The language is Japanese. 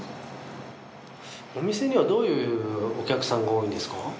お店にはどういうお客さんが多いんですか？